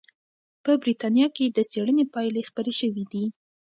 په بریتانیا کې د څېړنې پایلې خپرې شوې دي.